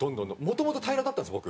もともと平らだったんです僕。